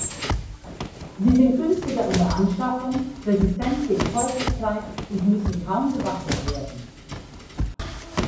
Sie sind günstiger in der Anschaffung, resistent gegen Feuchtigkeit und müssen kaum gewartet werden.